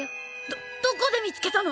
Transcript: どどこで見つけたの！？